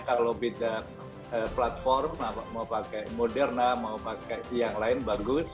kalau beda platform mau pakai moderna mau pakai yang lain bagus